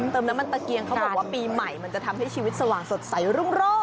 เติมน้ำมันตะเกียงเขาบอกว่าปีใหม่มันจะทำให้ชีวิตสว่างสดใสรุ่งโรศ